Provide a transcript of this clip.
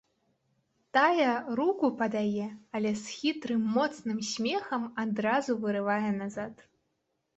Тая руку падае, але з хітрым, моцным смехам адразу вырывае назад.